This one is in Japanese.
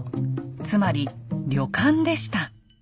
つまり旅館でした。